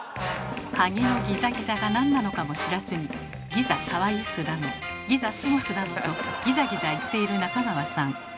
鍵のギザギザが何なのかも知らずに「ギザカワユス」だの「ギザスゴス！」だのとギザギザ言っている中川さん。